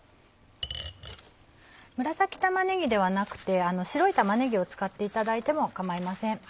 紫玉ねぎではなくて白い玉ねぎを使っていただいても構いません。